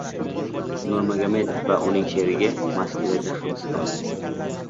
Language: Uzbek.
Nurmagomedov va uning sherigi Moskvada hibsga olindi